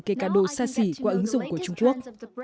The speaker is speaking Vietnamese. kể cả độ xa xỉ qua ứng dụng của trung quốc